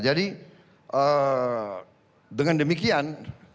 jadi dengan demikian